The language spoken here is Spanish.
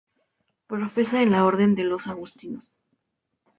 Profesa en la orden de los Agustinos.